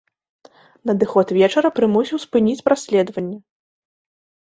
Надыход вечара прымусіў спыніць праследаванне.